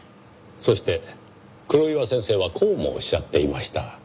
そして黒岩先生はこうもおっしゃっていました。